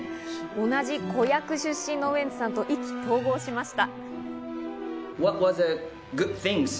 同じ子役出身のウエンツさんと意気投合しました。